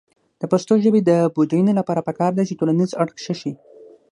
د پښتو ژبې د بډاینې لپاره پکار ده چې ټولنیز اړخ ښه شي.